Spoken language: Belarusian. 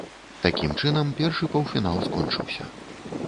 Такім чынам першы паўфінал скончыўся.